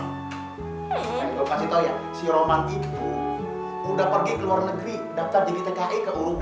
saya kasih tau ya si roman itu udah pergi ke luar negeri daftar di tki ke urup